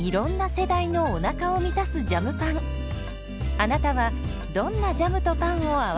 あなたはどんなジャムとパンを合わせますか？